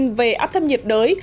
thông tin về áp thấp nhiệt đới